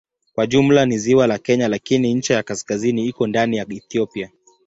Kwa jumla ni ziwa la Kenya lakini ncha ya kaskazini iko ndani ya Ethiopia.